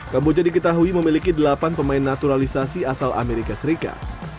kamboja diketahui memiliki delapan pemain naturalisasi asal amerika serikat